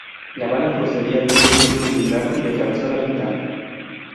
La bala procedía de un vehículo blindado y atravesó la ventana.